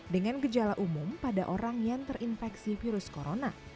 dengan gejala umum pada orang yang terinfeksi virus corona